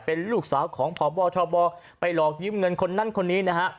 เป็นลูกสาวของพบทบไปหลอกยืมเงินคนนั้นคนนี้นะฮะ